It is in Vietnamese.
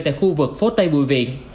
tại khu vực phố tây bùi viện